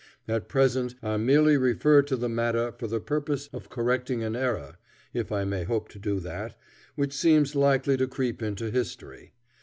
At present, I merely refer to the matter for the purpose of correcting an error (if I may hope to do that) which seems likely to creep into history.